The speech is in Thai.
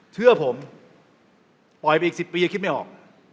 เชื่อผมปล่อยไปอีก๑๐ปีคิดไม่ออก